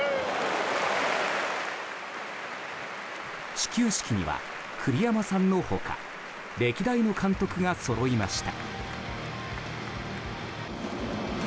始球式には栗山さんの他歴代の監督がそろいました。